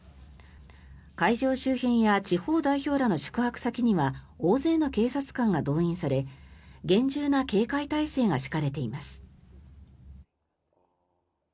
会場周辺や地方代表らの宿泊先には大勢の警察官が動員され厳重な警戒態勢が敷かれています。